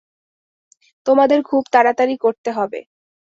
তোমাদের খুব তাড়াতাড়ি করতে হবে।